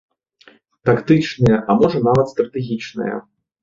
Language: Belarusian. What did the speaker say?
Тактычныя, а можа нават стратэгічныя.